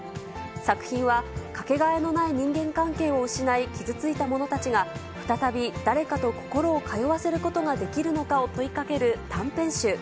作品は、かけがえのない人間関係を失い、傷ついた者たちが、再び誰かと心を通わせることができるのかを問いかける短編集。